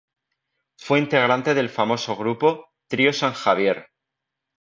Fue integrante del famoso grupo "Trío San Javier".